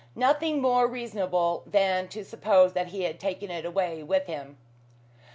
Nothing more reasonable then than to suppose that he had taken it away with him.